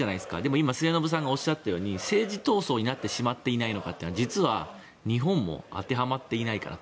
今、末延さんがおっしゃったように政治闘争になってしまっていないのかというのは実は日本も当てはまっていないのかなと。